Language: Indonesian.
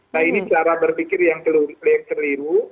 nah ini cara berpikir yang keliru